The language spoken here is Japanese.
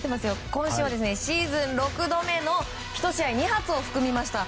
今週はシーズン６度目の１試合２発を含みました。